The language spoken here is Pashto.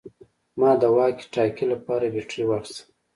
ما د واکي ټاکي لپاره بیټرۍ واخیستې